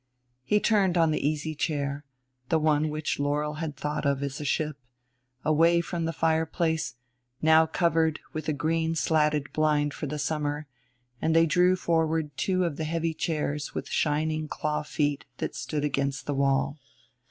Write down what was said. He turned the easy chair the one which Laurel had thought of as a ship away from the fireplace, now covered with a green slatted blind for the summer; and they drew forward two of the heavy chairs with shining claw feet that stood against the wall.